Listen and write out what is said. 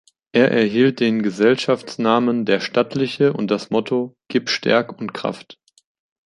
Er erhielt den Gesellschaftsnamen "der Stattliche" und das Motto "Gib Stärk' und Kraft".